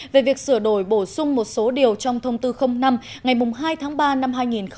về việc sửa đổi bổ sung một số điều trong thông tư năm ngày hai tháng ba năm hai nghìn một mươi bảy